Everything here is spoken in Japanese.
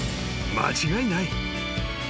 間違いない］